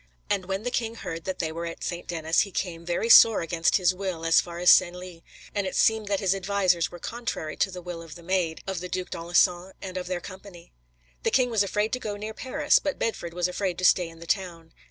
"And when the king heard that they were at St. Denis, he came, very sore against his will, as far as Senlis, and it seems that his advisers were contrary to the will of the Maid, of the Duc d'Alencon, and of their company." The king was afraid to go near Paris, but Bedford was afraid to stay in the town.